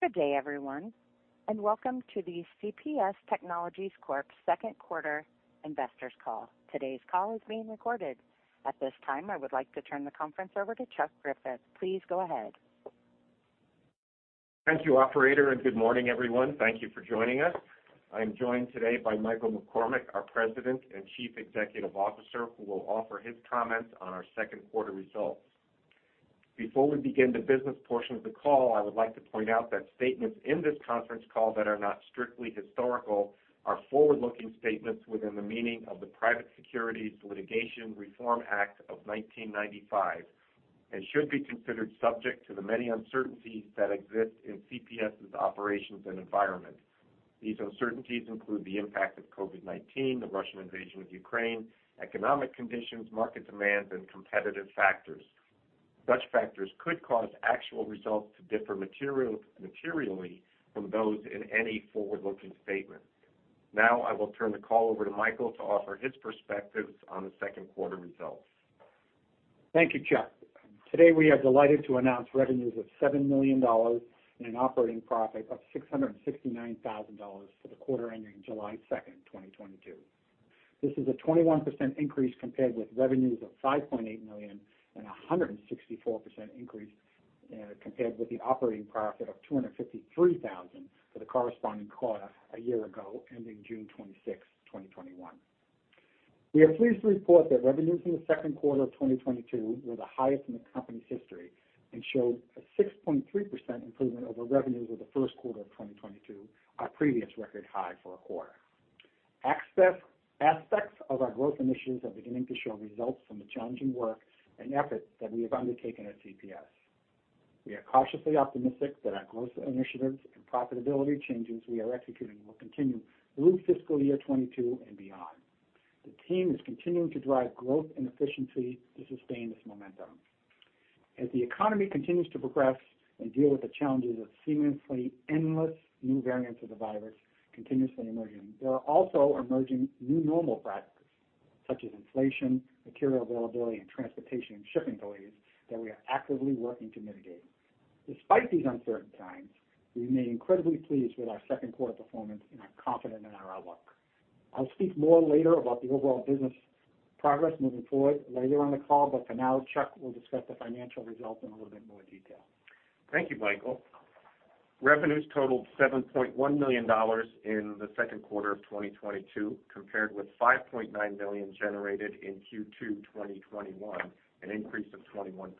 Good day, everyone, and welcome to the CPS Technologies Corp 2nd quarter Investors Call. Today's call is being recorded. At this time, I would like to turn the conference over to Chuck Griffith. Please go ahead. Thank you, operator, and good morning, everyone. Thank you for joining us. I'm joined today by Michael McCormack, our President and Chief Executive Officer, who will offer his comments on our 2nd quarter results. Before we begin the business portion of the call, I would like to point out that statements in this conference call that are not strictly historical are forward-looking statements within the meaning of the Private Securities Litigation Reform Act of 1995 and should be considered subject to the many uncertainties that exist in CPS's operations and environment. These uncertainties include the impact of COVID-19, the Russian invasion of Ukraine, economic conditions, market demands, and competitive factors. Such factors could cause actual results to differ materially from those in any forward-looking statement. Now I will turn the call over to Michael to offer his perspectives on the 2nd quarter results. Thank you, Chuck. Today, we are delighted to announce revenues of $7 million and an operating profit of $669,000 for the quarter ending July 2, 2022. This is a 21% increase compared with revenues of $5.8 million and a 164% increase compared with the operating profit of $253,000 for the corresponding quarter a year ago, ending June 26, 2021. We are pleased to report that revenues in the 2nd quarter of 2022 were the highest in the company's history and showed a 6.3% improvement over revenues of the 1st quarter of 2022, our previous record high for a quarter. Aspects of our growth initiatives are beginning to show results from the challenging work and efforts that we have undertaken at CPS. We are cautiously optimistic that our growth initiatives and profitability changes we are executing will continue through fiscal year 2022 and beyond. The team is continuing to drive growth and efficiency to sustain this momentum. As the economy continues to progress and deal with the challenges of seemingly endless new variants of the virus continuously emerging, there are also emerging new normal practices such as inflation, material availability, and transportation and shipping delays that we are actively working to mitigate. Despite these uncertain times, we remain incredibly pleased with our 2nd quarter performance, and I'm confident in our outlook. I'll speak more later about the overall business progress moving forward later on the call, but for now, Chuck will discuss the financial results in a little bit more detail. Thank you, Michael. Revenues totaled $7.1 million in the 2nd quarter of 2022, compared with $5.9 million generated in Q2 2021, an increase of 21%.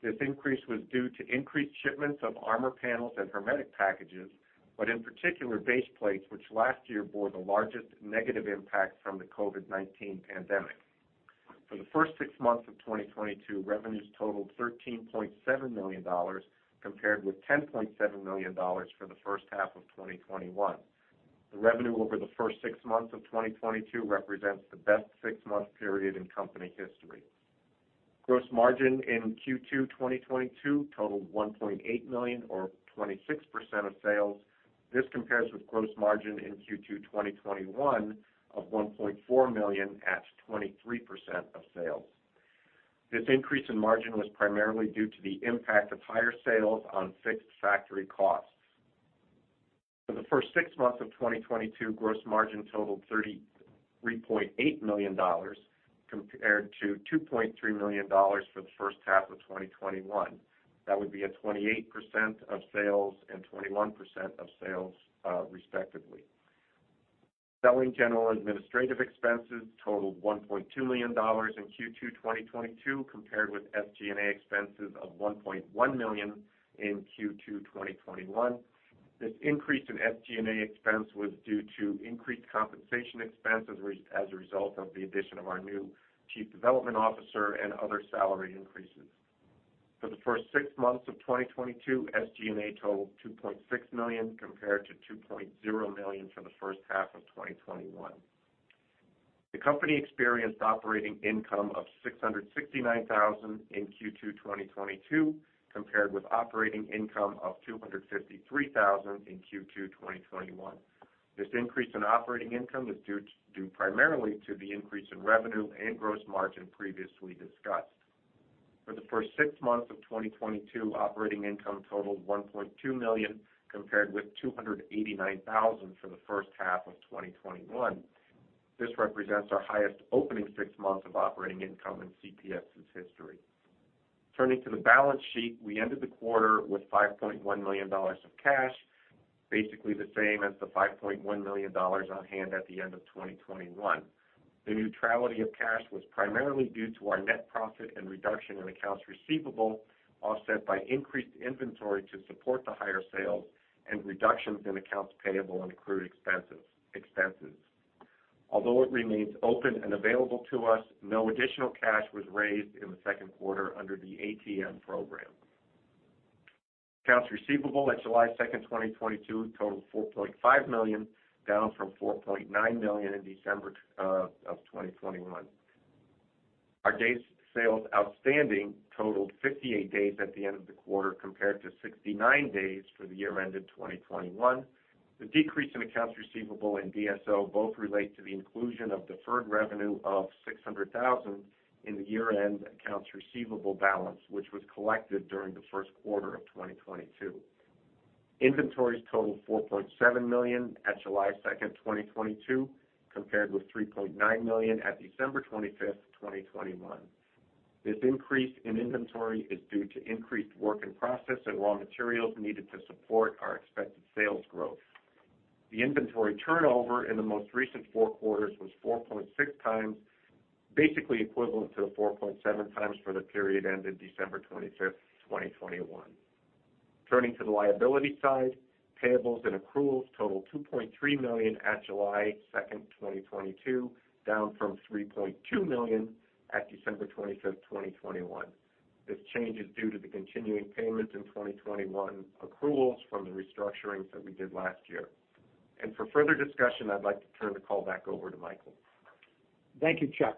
This increase was due to increased shipments of armor panels and hermetic packages, but in particular, base plates, which last year bore the largest negative impact from the COVID-19 pandemic. For the first six months of 2022, revenues totaled $13.7 million, compared with $10.7 million for the first half of 2021. The revenue over the first six months of 2022 represents the best six-month period in company history. Gross margin in Q2 2022 totaled $1.8 million or 26% of sales. This compares with gross margin in Q2 2021 of $1.4 million at 23% of sales. This increase in margin was primarily due to the impact of higher sales on fixed factory costs. For the first six months of 2022, gross margin totaled $33.8 million compared to $2.3 million for the first half of 2021. That would be at 28% of sales and 21% of sales, respectively. Selling general administrative expenses totaled $1.2 million in Q2 2022, compared with SG&A expenses of $1.1 million in Q2 2021. This increase in SG&A expense was due to increased compensation expense as a result of the addition of our new chief development officer and other salary increases. For the first six months of 2022, SG&A totaled $2.6 million compared to $2.0 million for the first half of 2021. The company experienced operating income of $669,000 in Q2 2022, compared with operating income of $253,000 in Q2 2021. This increase in operating income is due primarily to the increase in revenue and gross margin previously discussed. For the first six months of 2022, operating income totaled $1.2 million, compared with $289,000 for the first half of 2021. This represents our highest opening 6 months of operating income in CPS's history. Turning to the balance sheet, we ended the quarter with $5.1 million of cash, basically the same as the $5.1 million on hand at the end of 2021. The neutrality of cash was primarily due to our net profit and reduction in accounts receivable, offset by increased inventory to support the higher sales and reductions in accounts payable and accrued expenses. Although it remains open and available to us, no additional cash was raised in the 2nd quarter under the ATM program. Accounts receivable at July 2, 2022 totaled $4.5 million, down from $4.9 million in December of 2021. Our days sales outstanding totaled 58 days at the end of the quarter, compared to 69 days for the year ended 2021. The decrease in accounts receivable and DSO both relate to the inclusion of deferred revenue of $600,000 in the year-end accounts receivable balance, which was collected during the 1st quarter of 2022. Inventories totaled $4.7 million at July 2, 2022, compared with $3.9 million at December 25, 2021. This increase in inventory is due to increased work in process and raw materials needed to support our expected sales growth. The inventory turnover in the most recent four quarters was 4.6 times, basically equivalent to the 4.7 times for the period ended December 25, 2021. Turning to the liability side, payables and accruals totaled $2.3 million at July 2, 2022, down from $3.2 million at December 25, 2021. This change is due to the continuing payments in 2021 accruals from the restructurings that we did last year. For further discussion, I'd like to turn the call back over to Michael. Thank you, Chuck.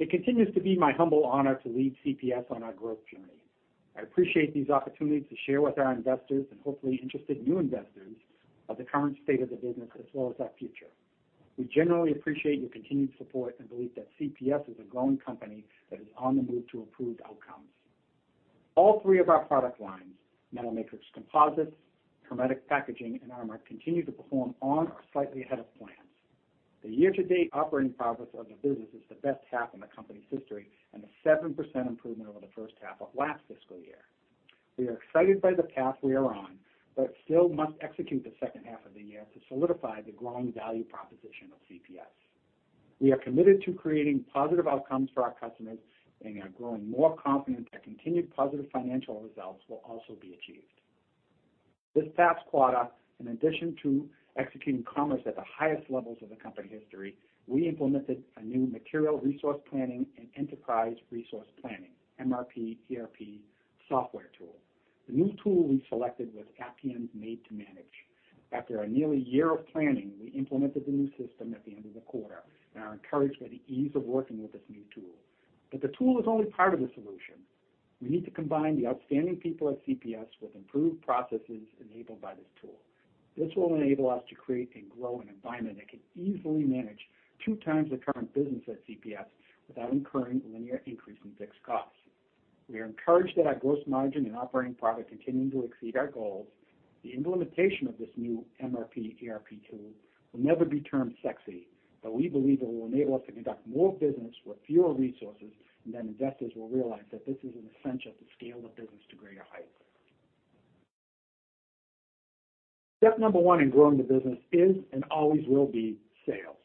It continues to be my humble honor to lead CPS on our growth journey. I appreciate these opportunities to share with our investors and hopefully interested new investors of the current state of the business as well as our future. We generally appreciate your continued support and believe that CPS is a growing company that is on the move to improved outcomes. All three of our product lines, metal matrix composites, hermetic packaging, and armor, continue to perform on or slightly ahead of plans. The year-to-date operating profits of the business is the best half in the company's history, and a 7% improvement over the first half of last fiscal year. We are excited by the path we are on, but still must execute the second half of the year to solidify the growing value proposition of CPS. We are committed to creating positive outcomes for our customers, and are growing more confident that continued positive financial results will also be achieved. This past quarter, in addition to executing commerce at the highest levels of the company history, we implemented a new material resource planning and enterprise resource planning, MRP-ERP software tool. The new tool we selected was Aptean Made2Manage. After nearly a year of planning, we implemented the new system at the end of the quarter, and are encouraged by the ease of working with this new tool. The tool is only part of the solution. We need to combine the outstanding people at CPS with improved processes enabled by this tool. This will enable us to create and grow an environment that can easily manage two times the current business at CPS without incurring linear increase in fixed costs. We are encouraged that our gross margin and operating profit continuing to exceed our goals. The implementation of this new MRP-ERP tool will never be termed sexy, but we believe it will enable us to conduct more business with fewer resources, and then investors will realize that this is an essential to scale the business to greater heights. Step number one in growing the business is and always will be sales.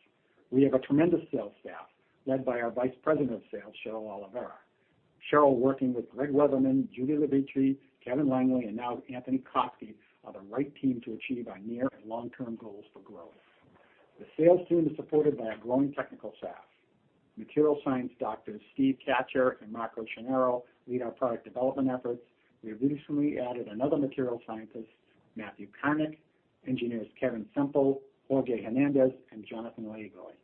We have a tremendous sales staff led by our Vice President of Sales, Cheryl Oliveira. Cheryl, working with Gregg Weatherman, Judith LeVitre, Kevin Langley, and now Anthony Koski, are the right team to achieve our near and long-term goals for growth. The sales team is supported by our growing technical staff. Material science doctors Steve Kachur and Mark Occhionero lead our product development efforts. We have recently added another material scientist, Matthew Koenig, engineers Kevin Semple, Jorge Hernandez, and Jonathan Liguori.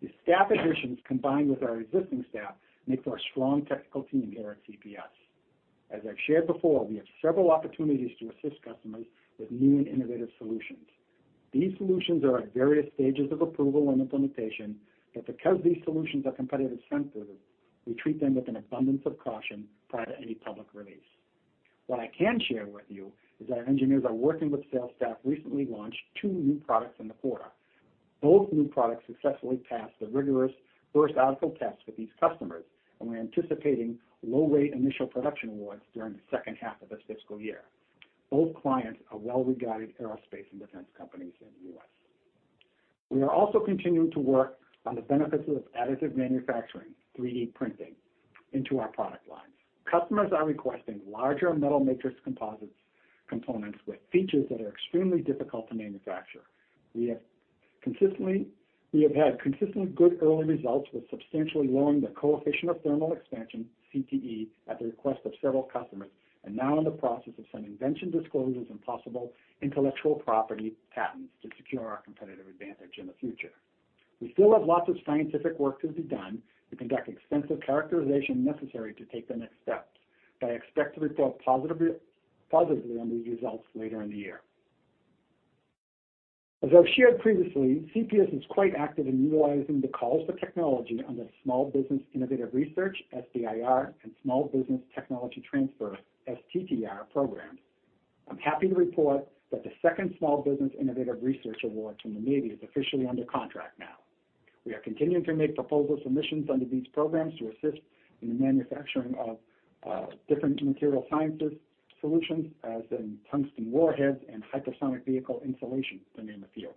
These staff additions, combined with our existing staff, make for a strong technical team here at CPS. As I've shared before, we have several opportunities to assist customers with new and innovative solutions. These solutions are at various stages of approval and implementation, but because these solutions are competitively sensitive, we treat them with an abundance of caution prior to any public release. What I can share with you is that our engineers, working with sales staff, recently launched two new products in the quarter. Both new products successfully passed the rigorous first article test with these customers, and we're anticipating low rate initial production awards during the second half of this fiscal year. Both clients are well-regarded aerospace and defense companies in the U.S. We are also continuing to work on the benefits of additive manufacturing, 3D printing, into our product lines. Customers are requesting larger metal matrix composites components with features that are extremely difficult to manufacture. We have had consistently good early results with substantially lowering the coefficient of thermal expansion, CTE, at the request of several customers, and now in the process of some invention disclosures and possible intellectual property patents to secure our competitive advantage in the future. We still have lots of scientific work to be done to conduct extensive characterization necessary to take the next steps, but I expect to report positively on these results later in the year. As I've shared previously, CPS is quite active in utilizing the calls for technology under Small Business Innovation Research, SBIR, and Small Business Technology Transfer, STTR programs. I'm happy to report that the second Small Business Innovation Research award from the Navy is officially under contract now. We are continuing to make proposal submissions under these programs to assist in the manufacturing of different materials science solutions, as in tungsten warheads and hypersonic vehicle insulation, to name a few.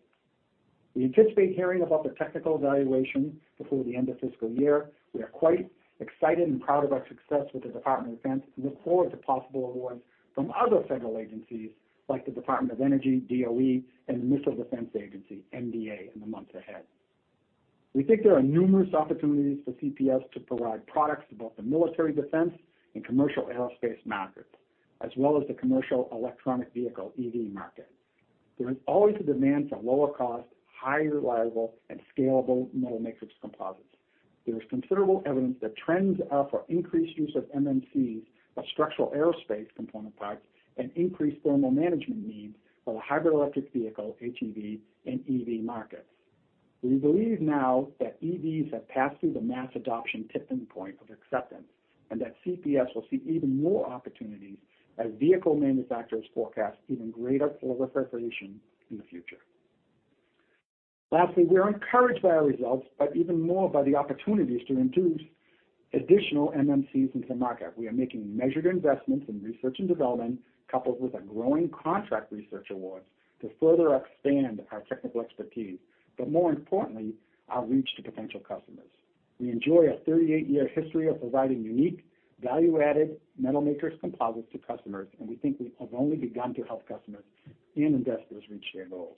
We anticipate hearing about the technical evaluation before the end of fiscal year. We are quite excited and proud of our success with the Department of Defense, and look forward to possible awards from other federal agencies like the Department of Energy, DOE, and the Missile Defense Agency, MDA, in the months ahead. We think there are numerous opportunities for CPS to provide products to both the military defense and commercial aerospace markets, as well as the commercial electric vehicle, EV market. There is always a demand for lower cost, highly reliable, and scalable metal matrix composites. There is considerable evidence that trends are for increased use of MMCs by structural aerospace component types, and increased thermal management needs for the hybrid electric vehicle, HEV, and EV markets. We believe now that EVs have passed through the mass adoption tipping point of acceptance, and that CPS will see even more opportunities as vehicle manufacturers forecast even greater order preparation in the future. Lastly, we are encouraged by our results, but even more by the opportunities to introduce additional MMCs into the market. We are making measured investments in research and development, coupled with a growing contract research awards to further expand our technical expertise, but more importantly, our reach to potential customers. We enjoy a 38-year history of providing unique, value-added metal matrix composites to customers, and we think we have only begun to help customers and investors reach their goals.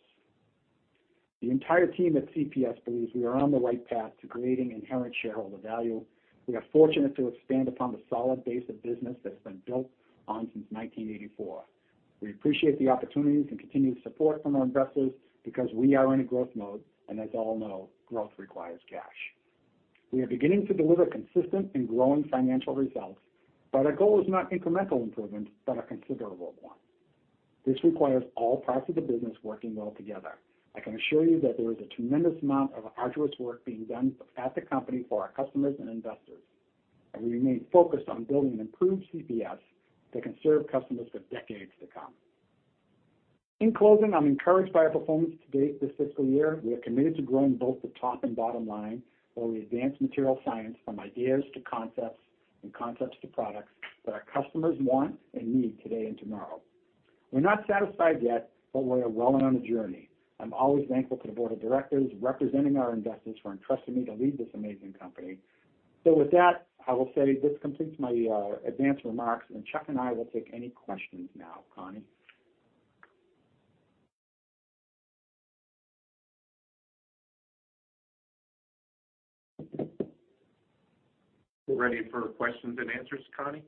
The entire team at CPS believes we are on the right path to creating inherent shareholder value. We are fortunate to expand upon the solid base of business that's been built on since 1984. We appreciate the opportunities and continued support from our investors because we are in a growth mode, and as all know, growth requires cash. We are beginning to deliver consistent and growing financial results, but our goal is not incremental improvement but a considerable one. This requires all parts of the business working well together. I can assure you that there is a tremendous amount of arduous work being done at the company for our customers and investors, and we remain focused on building an improved CPS that can serve customers for decades to come. In closing, I'm encouraged by our performance to date this fiscal year. We are committed to growing both the top and bottom line while we advance material science from ideas to concepts, and concepts to products that our customers want and need today and tomorrow. We're not satisfied yet, but we are well on the journey. I'm always thankful to the board of directors representing our investors for entrusting me to lead this amazing company. With that, I will say this completes my advanced remarks, and Chuck and I will take any questions now, Connie. We're ready for questions and answers, Connie.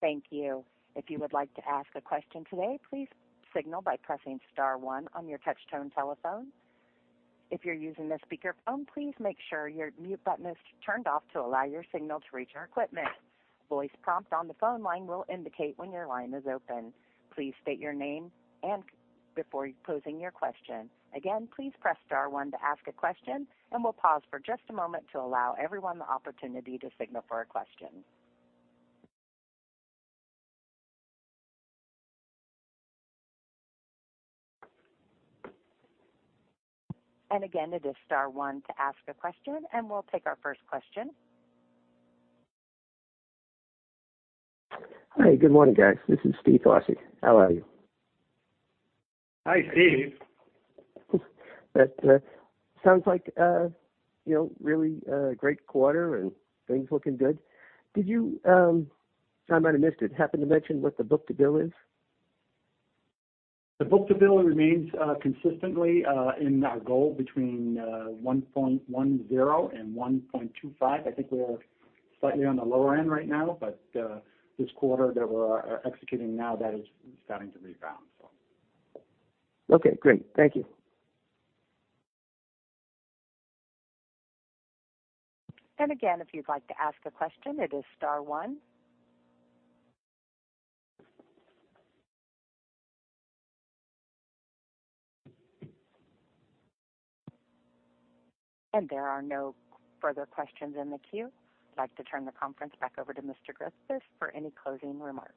Thank you. If you would like to ask a question today, please signal by pressing star one on your touch tone telephone. If you're using a speakerphone, please make sure your mute button is turned off to allow your signal to reach our equipment. Voice prompt on the phone line will indicate when your line is open. Please state your name and before posing your question. Again, please press star one to ask a question, and we'll pause for just a moment to allow everyone the opportunity to signal for a question. Again, it is star one to ask a question, and we'll take our first question. Hi, good morning, guys. This is Steve Austic. How are you? Hi, Steve. That sounds like, you know, really great quarter and things looking good. Did you, I might have missed it, happen to mention what the book-to-bill is? The book-to-bill remains consistently in our goal between 1.10 and 1.25. I think we are slightly on the lower end right now, but this quarter that we're executing now, that is starting to rebound, so. Okay, great. Thank you. Again, if you'd like to ask a question, it is star one. There are no further questions in the queue. I'd like to turn the conference back over to Mr. Griffith for any closing remarks.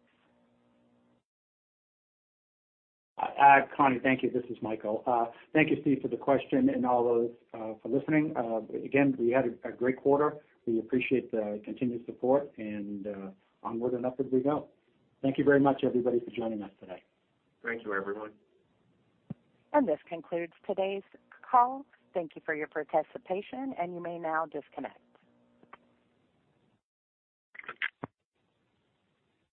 Connie, thank you. This is Michael. Thank you, Steve, for the question and also for listening. Again, we had a great quarter. We appreciate the continued support, and onward and upward we go. Thank you very much, everybody, for joining us today. Thank you, everyone. This concludes today's call. Thank you for your participation, and you may now disconnect.